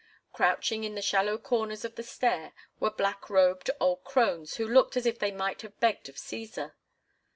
Crouching in the shallow corners of the stair were black robed old crones who looked as if they might have begged of Cæsar.